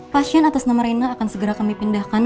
pasien atas nama rina akan segera kami pindahkan